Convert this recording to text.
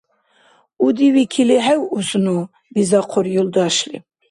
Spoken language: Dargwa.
— Удивикили хӀевъус ну, — бизахъур юлдашли.